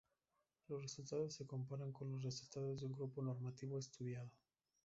Los resultados se comparan con los resultados de un grupo normativo estudiado.